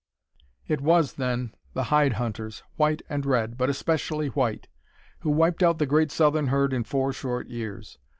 It was, then, the hide hunters, white and red, but especially white, who wiped out the great southern herd in four short years.